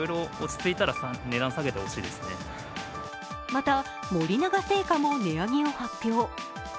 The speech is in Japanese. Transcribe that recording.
また、森永製菓も値上げを発表。